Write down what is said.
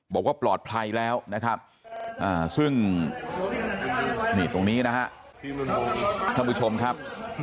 บอกว่าปลอดภัยแล้วนะครับซึ่งนี่ตรงนี้นะฮะท่านผู้ชมครับ